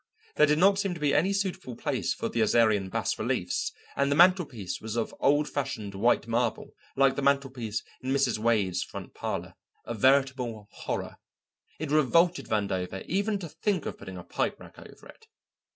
There did not seem to be any suitable place for the Assyrian bas reliefs, and the mantelpiece was of old fashioned white marble like the mantelpiece in Mrs. Wade's front parlour, a veritable horror. It revolted Vandover even to think of putting a pipe rack over it.